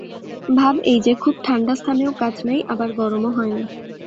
ভাব এই যে, খুব ঠাণ্ডাস্থানেও কাজ নাই, আবার গরমও হয় না।